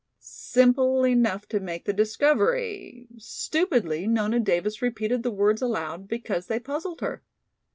"Simple enough to make the discovery!" Stupidly Nona Davis repeated the words aloud, because they puzzled her.